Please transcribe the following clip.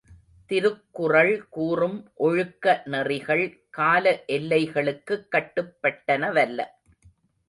திருக்குறள் கூறும் ஒழுக்க நெறிகள் கால எல்லைகளுக்குக் கட்டுப்பட்டனவல்ல.